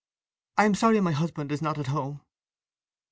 I am sorry my husband is not at home."